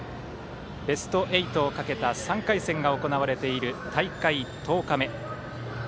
ベスト８をかけた３回戦が行われている大会１０日目。